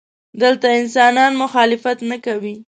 دلته انسانان مخالفت نه کوي.